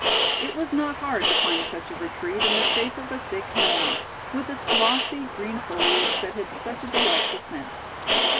It was not hard to find such a retreat in the shape of a thick hemlock, with its glossy green foliage that had such a delightful scent.